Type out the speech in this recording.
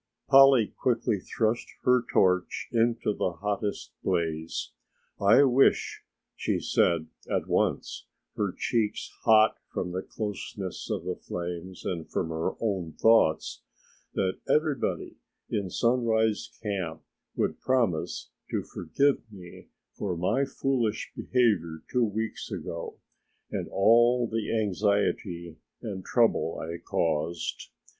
Polly quickly thrust her torch into the hottest blaze. "I wish," she said at once, her cheeks hot from the closeness of the flames and from her own thoughts, "that everybody in Sunrise Camp would promise to forgive me for my foolish behavior two weeks ago and all the anxiety and trouble I caused.